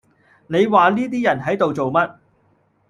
你話呢啲人喺度做乜